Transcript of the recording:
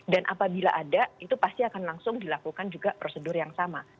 dan apabila ada itu pasti akan langsung dilakukan juga prosedur yang sama